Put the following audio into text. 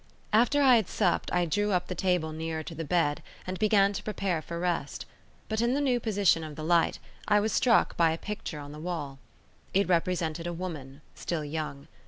After I had supped I drew up the table nearer to the bed and began to prepare for rest; but in the new position of the light, I was struck by a picture on the wall. It represented a woman, still young.